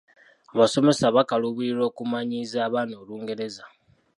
Abasomesa bakaluubirirwa okumanyiiza abaana Olungereza.